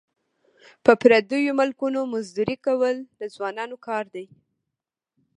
په پردیو ملکونو مزدوري کول د ځوانانو کار دی.